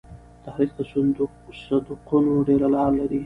تاریخ د صدقونو ډېره لار لري.